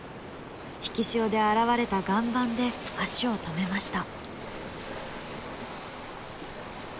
引き潮で現れた岩盤で足を止めました。